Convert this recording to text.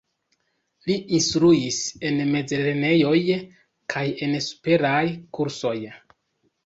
Li instruis en mezlernejoj kaj en superaj kursoj.